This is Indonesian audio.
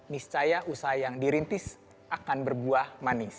niscaya usaha yang dirintis akan berbuah manis